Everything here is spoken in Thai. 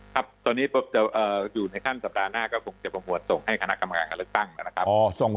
ครับตอนนี้อยู่ในขั้นสัปดาห์หน้าก็คงจะประหวดส่งให้คณะกรรมการการเลือกตั้งนะครับ